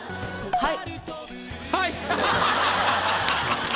はい！